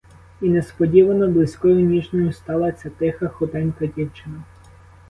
І несподівано близькою, ніжною стала ця тиха, худенька дівчина.